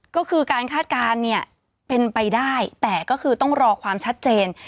ก็คือการคาดการณ์เนี่ยเป็นไปได้แต่ก็คือต้องรอความชัดเจน